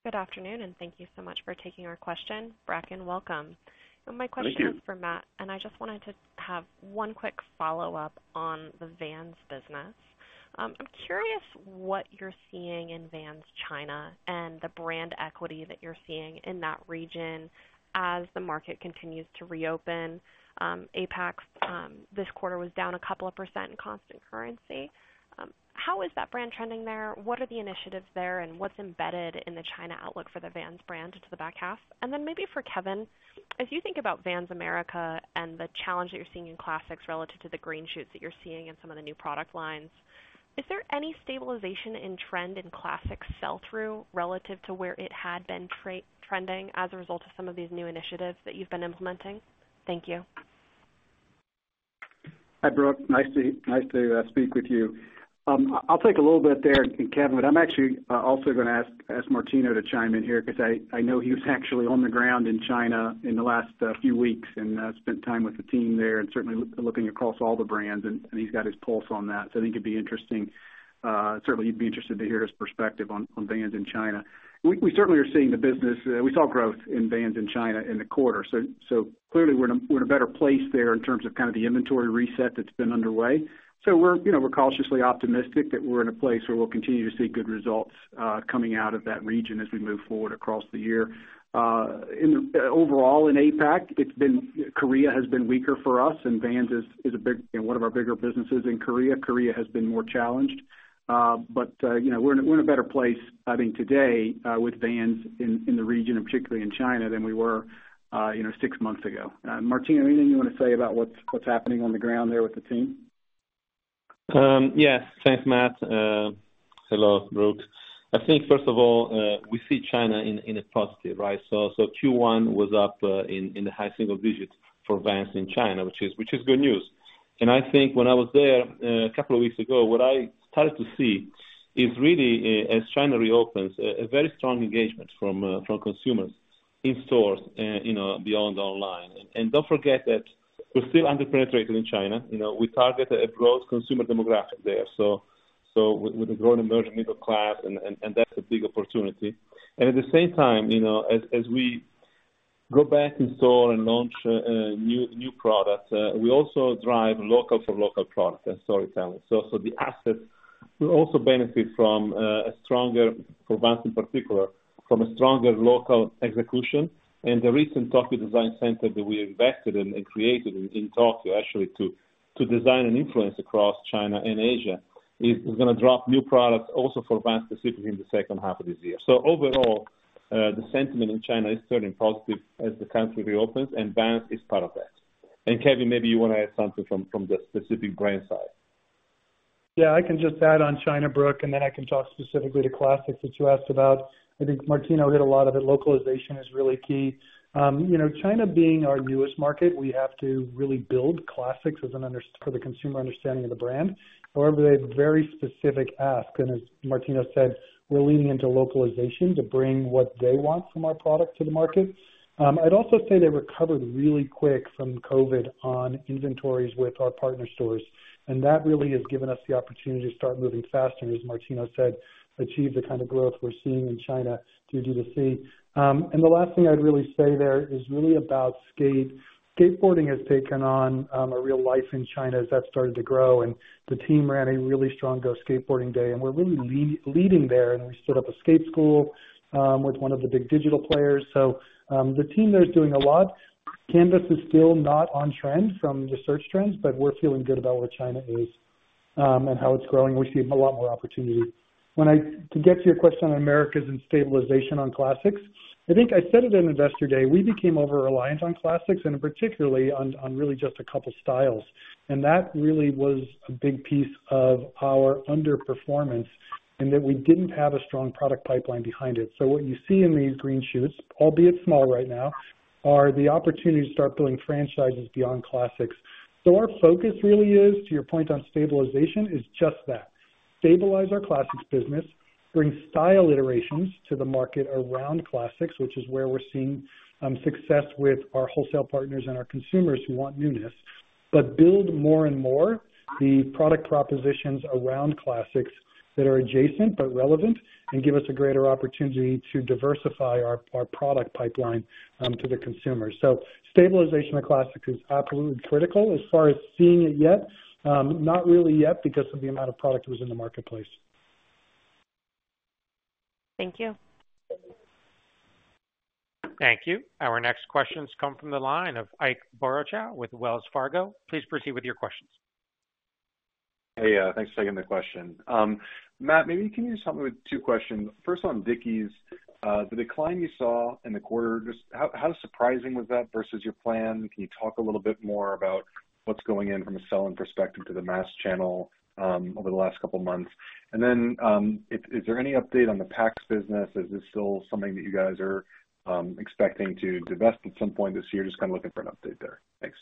Good afternoon, thank you so much for taking our question. Bracken, welcome. Thank you. My question is for Matt, I just wanted to have one quick follow-up on the Vans business. I'm curious what you're seeing in Vans China and the brand equity that you're seeing in that region as the market continues to reopen. APAC, this quarter was down a couple of percent in constant currency. How is that brand trending there? What are the initiatives there, and what's embedded in the China outlook for the Vans brand into the back half? Then maybe for Kevin, as you think about Vans Americas and the challenge that you're seeing in classics relative to the green shoots that you're seeing in some of the new product lines, is there any stabilization in trend in classics sell-through relative to where it had been trending as a result of some of these new initiatives that you've been implementing? Thank you. Hi, Brooke. Nice to, nice to speak with you. I'll take a little bit there, and Kevin, but I'm actually also going to ask Martino to chime in here because I know he was actually on the ground in China in the last few weeks and spent time with the team there and certainly looking across all the brands, and he's got his pulse on that. I think it'd be interesting, certainly you'd be interested to hear his perspective on Vans in China. We certainly are seeing the business. We saw growth in Vans in China in the quarter, so clearly we're in a better place there in terms of kind of the inventory reset that's been underway. We're, you know, we're cautiously optimistic that we're in a place where we'll continue to see good results, coming out of that region as we move forward across the year. Overall in APAC, it's been, Korea has been weaker for us, and Vans is a big, one of our bigger businesses in Korea. Korea has been more challenged. You know, we're in a, we're in a better place, I mean, today, with Vans in, in the region, and particularly in China, than we were, you know, six months ago. Martino, anything you want to say about what's, what's happening on the ground there with the team? Yes. Thanks, Matt. Hello, Brooke. I think, first of all, we see China in a positive, right? Q1 was up in the high single digits for Vans in China, which is good news. I think when I was there a couple of weeks ago, what I started to see is really, as China reopens, a very strong engagement from consumers in stores and, you know, beyond online. Don't forget that we're still underpenetrated in China. You know, we target a growth consumer demographic there, so with a growing emerging middle class and that's a big opportunity. At the same time, you know, as we go back in store and launch new products, we also drive local for local products and storytelling. So the assets will also benefit from a stronger, for Vans in particular, from a stronger local execution. The recent Tokyo Design Collective that we invested in and created in Tokyo, actually, to design and influence across China and Asia, is going to drop new products also for Vans Asia-Pacific in the second half of this year. Overall, the sentiment in China is turning positive as the country reopens, and Vans is part of that. Kevin, maybe you want to add something from the specific brand side. Yeah, I can just add on China, Brooke, and then I can talk specifically to classics, which you asked about. I think Martino hit a lot of it. Localization is really key. You know, China being our newest market, we have to really build classics as an under- for the consumer understanding of the brand. However, they have very specific ask, and as Martino said, we're leaning into localization to bring what they want from our product to the market. I'd also say they recovered really quick from COVID on inventories with our partner stores, and that really has given us the opportunity to start moving faster, as Martino said, achieve the kind of growth we're seeing in China through D2C. The last thing I'd really say there is really about skate. Skateboarding has taken on a real life in China as that started to grow, and the team ran a really strong Go Skateboarding Day, and we're really leading there. We stood up a skate school with one of the big digital players. The team there is doing a lot. Canvas is still not on trend from the search trends, but we're feeling good about where China is, and how it's growing. We see a lot more opportunity. When I to get to your question on Americas and stabilization on classics, I think I said it in Investor Day, we became over reliant on classics and particularly on really just a couple styles. That really was a big piece of our underperformance, and in that we didn't have a strong product pipeline behind it. What you see in these green shoots, albeit small right now, are the opportunity to start building franchises beyond classics. Our focus really is, to your point on stabilization, is just that. Stabilize our classics business, bring style iterations to the market around classics, which is where we're seeing success with our wholesale partners and our consumers who want newness, but build more and more the product propositions around classics that are adjacent but relevant, and give us a greater opportunity to diversify our, our product pipeline to the consumer. Stabilization of classics is absolutely critical. As far as seeing it yet, not really yet because of the amount of product that was in the marketplace. Thank you. Thank you. Our next questions come from the line of Ike Boruchow with Wells Fargo. Please proceed with your questions. Hey, thanks for taking the question. Matt, maybe you can help me with two questions. First, on Dickies, the decline you saw in the quarter, just how surprising was that versus your plan? Can you talk a little bit more about what's going in from a selling perspective to the mass channel over the last couple of months? Is, is there any update on the Packs business? Is this still something that you guys are expecting to divest at some point this year? Just kind of looking for an update there. Thanks.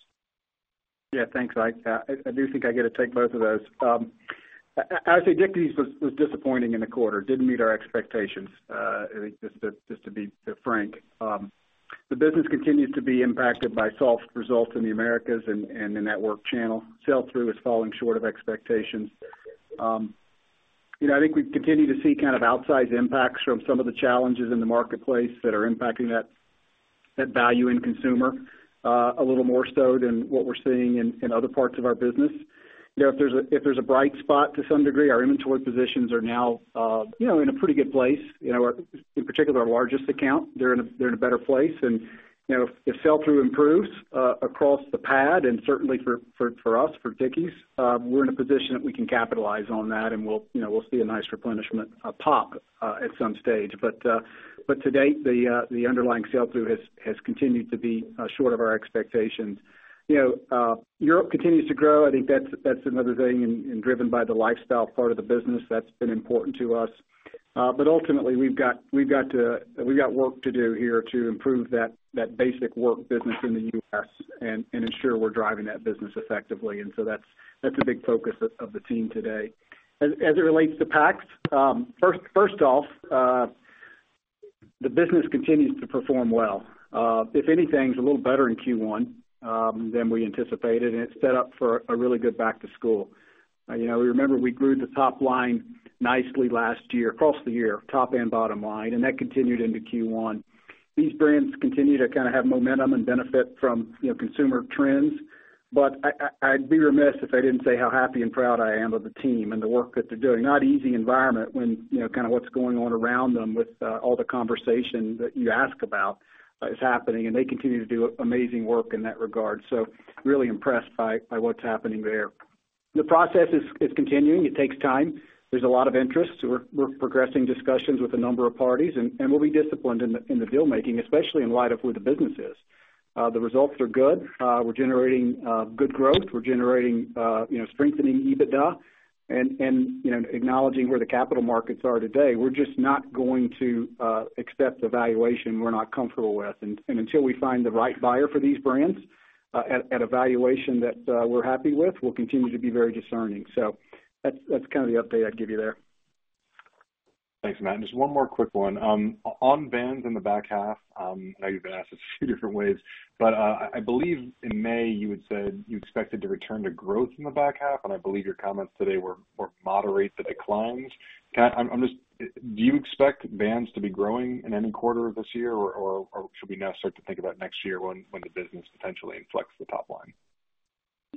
Yeah, thanks, Ike. I, I do think I get to take both of those. I'd say Dickies was, was disappointing in the quarter, didn't meet our expectations, I think just to, just to be frank. The business continues to be impacted by soft results in the Americas and, and the wholesale channel. Sell-through is falling short of expectations. You know, I think we continue to see kind of outsized impacts from some of the challenges in the marketplace that are impacting that, that value in consumer, a little more so than what we're seeing in, in other parts of our business. You know, if there's a, if there's a bright spot to some degree, our inventory positions are now, you know, in a pretty good place. You know, in particular, our largest account, they're in a, they're in a better place. You know, if sell-through improves across the board and certainly for, for, for us, for Dickies, we're in a position that we can capitalize on that and we'll, you know, we'll see a nice replenishment pop at some stage. But to date, the underlying sell-through has, has continued to be short of our expectations. You know, Europe continues to grow. I think that's, that's another thing and, and driven by the lifestyle part of the business that's been important to us. But ultimately, we've got, we've got work to do here to improve that, that basic work business in the U.S. and, and ensure we're driving that business effectively, and so that's, that's a big focus of, of the team today. As it relates to Packs, first off, the business continues to perform well. If anything, it's a little better in Q1 than we anticipated, and it's set up for a really good back to school. You know, we remember we grew the top line nicely last year, across the year, top and bottom line, and that continued into Q1. These brands continue to kind of have momentum and benefit from, you know, consumer trends. I'd be remiss if I didn't say how happy and proud I am of the team and the work that they're doing. Not an easy environment when, you know, kind of what's going on around them with all the conversation that you ask about is happening, and they continue to do amazing work in that regard. Really impressed by what's happening there. The process is, is continuing. It takes time. There's a lot of interest, so we're, we're progressing discussions with a number of parties, and, and we'll be disciplined in the, in the deal-making, especially in light of where the business is. The results are good. We're generating, good growth. We're generating, you know, strengthening EBITDA and, and, you know, acknowledging where the capital markets are today, we're just not going to accept the valuation we're not comfortable with. And, and until we find the right buyer for these brands, at, at a valuation that we're happy with, we'll continue to be very discerning. So that's, that's kind of the update I'd give you there. Thanks, Matt. Just one more quick one. On Vans in the back half, I know you've been asked this a few different ways, but, I believe in May, you had said you expected to return to growth in the back half, and I believe your comments today were, were moderate declines. Do you expect Vans to be growing in any quarter of this year, or, or, or should we now start to think about next year when, when the business potentially inflects the top line?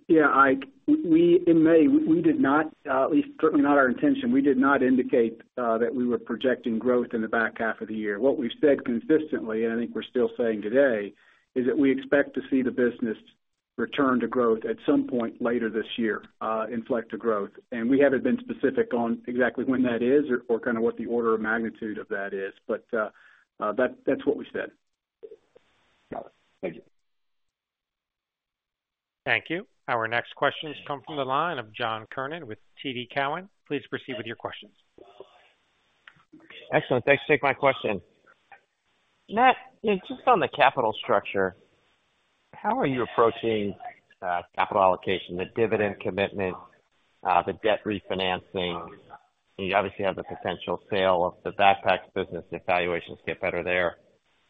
Yeah, Ike, in May, we did not, at least certainly not our intention, we did not indicate that we were projecting growth in the back half of the year. What we've said consistently, and I think we're still saying today, is that we expect to see the business return to growth at some point later this year, inflect to growth. We haven't been specific on exactly when that is or, or kind of what the order of magnitude of that is, but that's what we said. Got it. Thank you. Thank you. Our next question has come from the line of John Kernan with TD Cowen. Please proceed with your questions. Excellent. Thanks for taking my question. Matt, just on the capital structure, how are you approaching capital allocation, the dividend commitment, the debt refinancing? You obviously have the potential sale of the backpacks business if valuations get better there.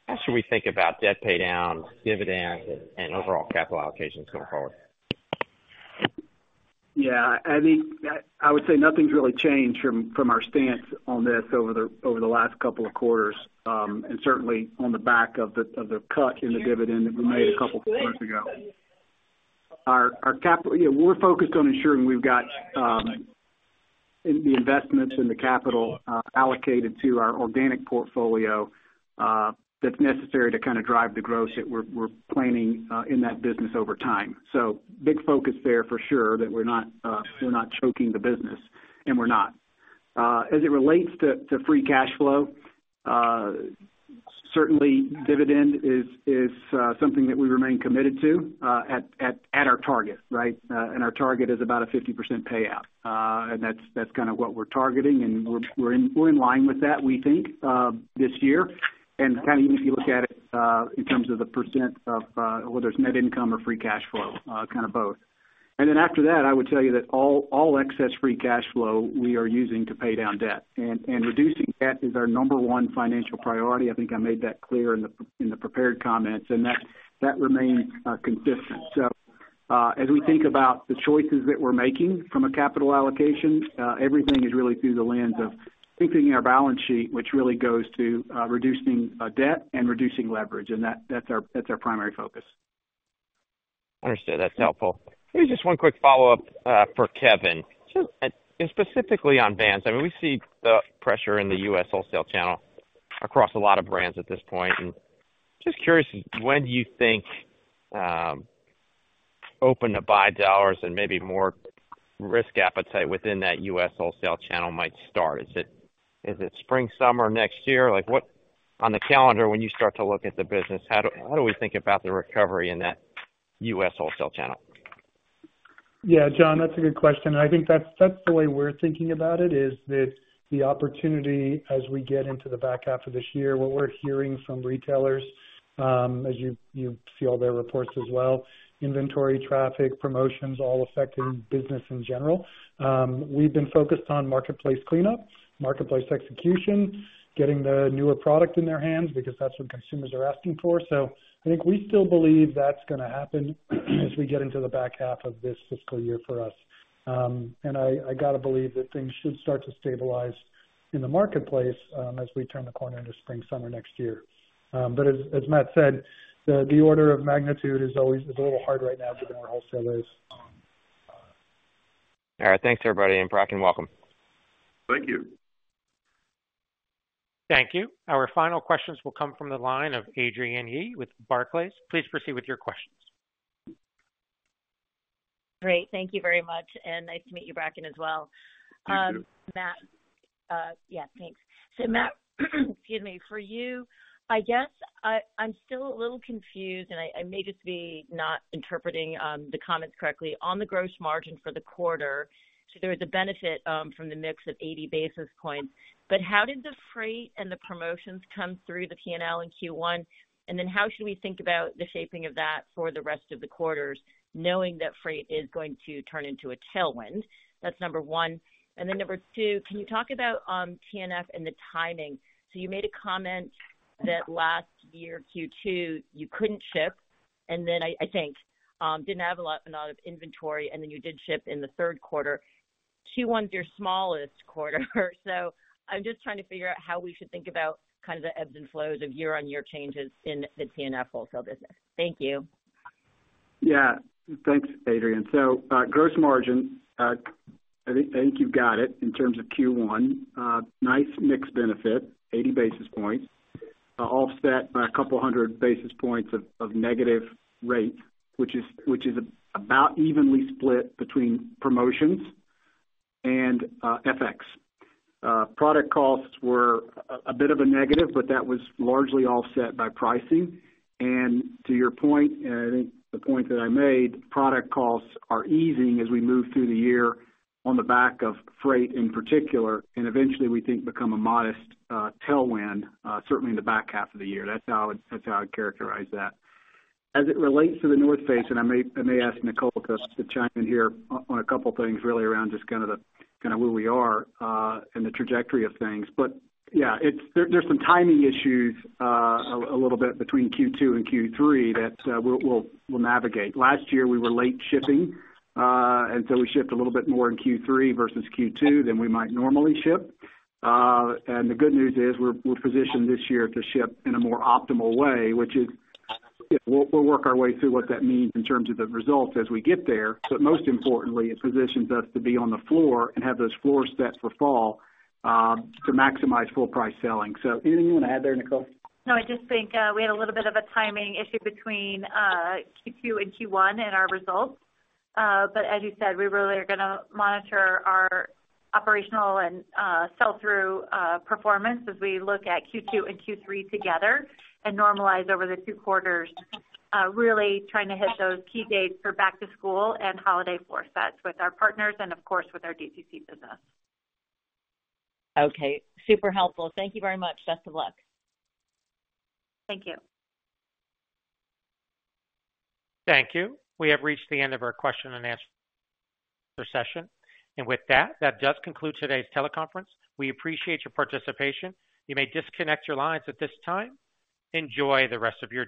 How should we think about debt pay down, dividends, and overall capital allocations going forward? Yeah, I think, I would say nothing's really changed from, from our stance on this over the, over the last couple of quarters. Certainly on the back of the, of the cut in the dividend that we made a couple of quarters ago. Yeah, we're focused on ensuring we've got the investments and the capital allocated to our organic portfolio that's necessary to kind of drive the growth that we're, we're planning in that business over time. Big focus there for sure, that we're not, we're not choking the business, and we're not. As it relates to, to free cash flow, certainly dividend is, is something that we remain committed to, at, at, at our target, right? Our target is about a 50% payout. That's, that's kind of what we're targeting, and we're, we're in line with that, we think, this year. Kind of even if you look at it, in terms of the percent of, whether it's net income or free cash flow, kind of both. Then after that, I would tell you that all, all excess free cash flow we are using to pay down debt. Reducing debt is our number one financial priority. I think I made that clear in the, in the prepared comments, and that, that remains consistent. As we think about the choices that we're making from a capital allocation, everything is really through the lens of thinking our balance sheet, which really goes to, reducing debt and reducing leverage, and that-that's our, that's our primary focus. Understood. That's helpful. Maybe just one quick follow-up for Kevin. Just, specifically on Vans, I mean, we see pressure in the US wholesale channel.... across a lot of brands at this point, and just curious, when do you think open to buy dollars and maybe more risk appetite within that US wholesale channel might start? Is it, is it spring, summer, next year? Like, what on the calendar, when you start to look at the business, how do, how do we think about the recovery in that US wholesale channel? Yeah, John, that's a good question. I think that's, that's the way we're thinking about it, is that the opportunity as we get into the back half of this year, what we're hearing from retailers, as you, you see all their reports as well, inventory, traffic, promotions, all affecting business in general. We've been focused on marketplace cleanup, marketplace execution, getting the newer product in their hands, because that's what consumers are asking for. I think we still believe that's gonna happen as we get into the back half of this fiscal year for us. I, I gotta believe that things should start to stabilize in the marketplace, as we turn the corner into spring, summer next year. As, as Matt said, the, the order of magnitude is always, is a little hard right now given our wholesalers. All right. Thanks, everybody, and Bracken, welcome. Thank you. Thank you. Our final questions will come from the line of Adrienne Yih with Barclays. Please proceed with your questions. Great. Thank you very much, and nice to meet you, Bracken, as well. Thank you. Matt, yeah, thanks. Matt, excuse me. For you, I guess, I, I'm still a little confused, and I, I may just be not interpreting the comments correctly on the gross margin for the quarter. There was a benefit from the mix of 80 basis points, but how did the freight and the promotions come through the PNL in Q1? How should we think about the shaping of that for the rest of the quarters, knowing that freight is going to turn into a tailwind? That's number one. Number two, can you talk about TNF and the timing? You made a comment that last year, Q2, you couldn't ship, and then I, I think, didn't have a lot, a lot of inventory, and then you did ship in the third quarter. Q1's your smallest quarter. I'm just trying to figure out how we should think about kind of the ebbs and flows of year-on-year changes in the TNF wholesale business. Thank you. Yeah. Thanks, Adrienne. Gross margin, I think, I think you've got it in terms of Q1. Nice mix benefit, 80 basis points, offset by 200 basis points of, of negative rate, which is, which is about evenly split between promotions and FX. Product costs were a, a bit of a negative, but that was largely offset by pricing. To your point, and I think the point that I made, product costs are easing as we move through the year on the back of freight in particular, and eventually, we think, become a modest tailwind, certainly in the back half of the year. That's how I'd, that's how I'd characterize that. As it relates to The North Face, I may, I may ask Nicole to chime in here on a couple of things really around just kinda where we are, and the trajectory of things. Yeah, it's. There's some timing issues, a little bit between Q2 and Q3 that, we'll, we'll, we'll navigate. Last year, we were late shipping, and so we shipped a little bit more in Q3 versus Q2 than we might normally ship. The good news is, we're, we're positioned this year to ship in a more optimal way, which is, we'll, we'll work our way through what that means in terms of the results as we get there. Most importantly, it positions us to be on the floor and have those floor sets for fall to maximize full price selling. Anything you want to add there, Nicole? No, I just think, we had a little bit of a timing issue between Q2 and Q1 in our results. As you said, we really are gonna monitor our operational and sell-through performance as we look at Q2 and Q3 together and normalize over the two quarters, really trying to hit those key dates for back to school and holiday floor sets with our partners and, of course, with our DTC business. Okay, super helpful. Thank you very much. Best of luck. Thank you. Thank you. We have reached the end of our question and answer session. With that, that does conclude today's teleconference. We appreciate your participation. You may disconnect your lines at this time. Enjoy the rest of your day.